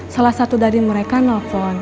salah satu dari mereka nelfon